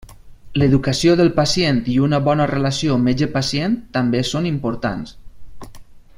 L'educació del pacient i una bona relació metge-pacient també són importants.